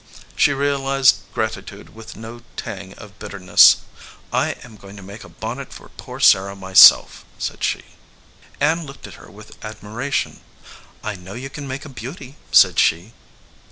She realized gratitude with no tang of bitterness. "I am going to make a bonnet for poor Sarah myself," said she. Ann looked at her with admiration. "I know you can make a beauty," said she.